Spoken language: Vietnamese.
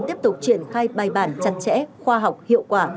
tiếp tục triển khai bài bản chặt chẽ khoa học hiệu quả